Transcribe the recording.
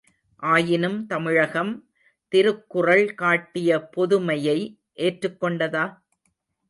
ஆயினும் தமிழகம், திருக்குறள் காட்டிய பொதுமையை ஏற்றுக்கொண்டதா?